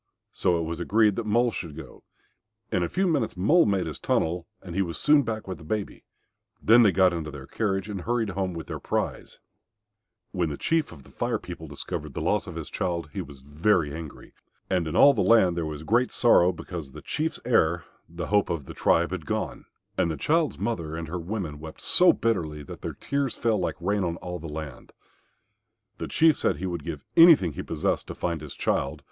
So it was agreed that Mole should go. In a few minutes Mole made his tunnel, and he was soon back with the baby. Then they got into their carriage and hurried home with their prize. [Illustration: THEN RAVEN ASKED THE MOLE TO TRY, BUT MOLE SAID, "OH, NO, I AM BETTER FITTED FOR OTHER WORK, MY FUR WOULD ALL BE SINGED"] When the Chief of the Fire people discovered the loss of his child he was very angry. And in all the land there was great sorrow because the Chief's heir, the hope of the tribe, had gone. And the child's mother and her women wept so bitterly that their tears fell like rain on all the land. The Chief said he would give anything he possessed to find his child.